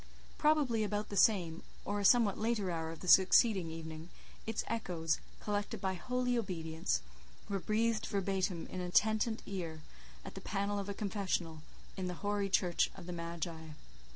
Probably about the same, or a somewhat later hour of the succeeding evening, its echoes, collected by holy obedience, were breathed verbatim in an attent ear, at the panel of a confessional, in the hoary church of the Magi.